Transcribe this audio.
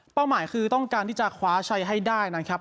หมายคือต้องการที่จะคว้าชัยให้ได้นะครับ